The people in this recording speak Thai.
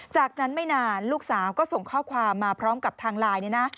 จากนั้นไม่นานลูกสาวก็ส่งข้อความมาพร้อมกับทางไลน์เนี่ยนะ